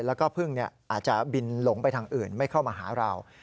แล้วก็พึ่งอาจจะบินหลงไปทางอื่นไม่เข้ามาหาเรา